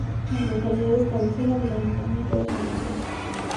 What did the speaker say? La localidad es cabecera del ayuntamiento de su nombre.